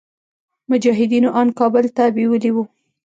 مجاهدينو ان کابل ته بيولي وو.